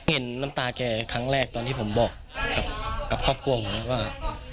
เห็นน้ำตาแกครั้งแรกตอนที่ผมบอกกับครอบครัวผมนะว่า